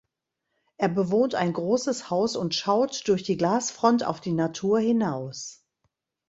Er bewohnt ein großes Haus und schaut durch die Glasfront auf die Natur hinaus.